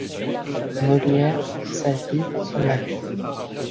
Molière, sa vie, son œuvre.